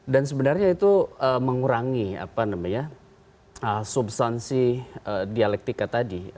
dan sebenarnya itu mengurangi substansi dialektika tadi